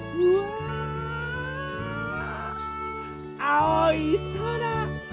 あおいそら。